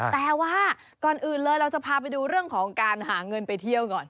แต่ว่าก่อนอื่นเลยเราจะพาไปดูเรื่องของการหาเงินไปเที่ยวก่อน